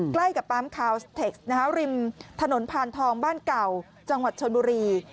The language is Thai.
ใกล้กับปั๊มคาวสเทคริมถนนพานทองบ้านเก่าจังหวัดชนบุรี